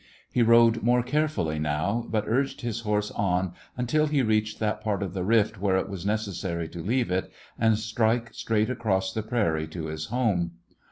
He rode more carefully now, but urged his horse on until he reached that part of the rift where it was nec essary to leave it and strike straight across the prairie to his home.